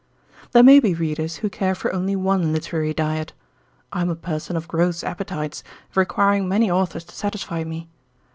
There may be readers who care for only one literary diet. I am a person of gross appetites, requiring many authors to satisfy me.